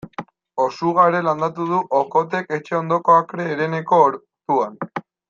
Osuga ere landatu du Okothek etxe ondoko akre hereneko ortuan.